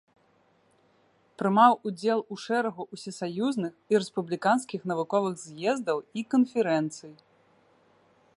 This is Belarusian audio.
Прымаў удзел у шэрагу усесаюзных і рэспубліканскіх навуковых з'ездаў і канферэнцый.